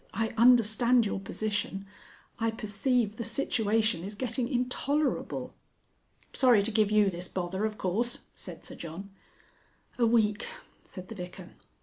"I understand your position. I perceive the situation is getting intolerable...." "Sorry to give you this bother, of course," said Sir John. "A week," said the Vicar.